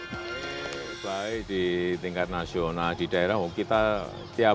masih dalam kesempatan yang sama pada sembilan belas juni lalu presiden juga angkat suara terkait dugaan adanya kriminalisasi ulama